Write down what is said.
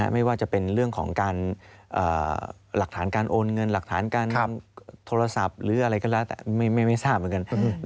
ไม่ว่าจะเป็นเรื่องของการหลักฐานการโอนเงินหลักฐานการโทรศัพท์หรืออะไรก็แล้วแต่ไม่ทราบเหมือนกัน